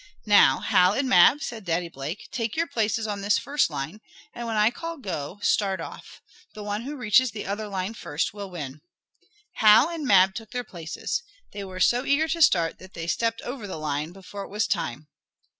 "Now, Hal and Mab," said Daddy Blake, "take your places on this first line. And when I call 'Go!' start off. The one who reaches the other line first will win." Hal and Mab took their places. They were so eager to start that they stepped over the line, before it was time.